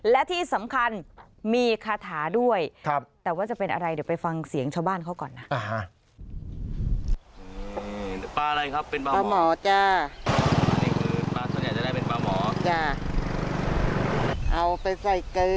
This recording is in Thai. และที่สำคัญมีคาถาด้วยแต่ว่าจะเป็นอะไรเดี๋ยวไปฟังเสียงชาวบ้านเขาก่อนนะ